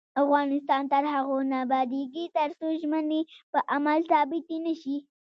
افغانستان تر هغو نه ابادیږي، ترڅو ژمنې په عمل ثابتې نشي.